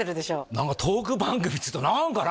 何かトーク番組っつうと何かな